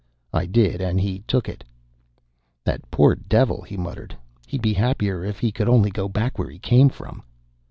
I did and he took it. "That poor devil!" he muttered. "He'd be happier if he could only go back where he came from."